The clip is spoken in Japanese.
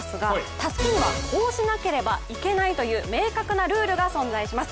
たすきにはこうしなければいけないとう明確なルールが存在します。